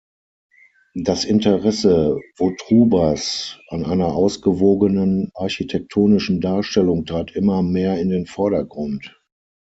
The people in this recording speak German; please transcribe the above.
Das Interesse Wotrubas an einer ausgewogenen architektonischen Darstellung trat immer mehr in den Vordergrund.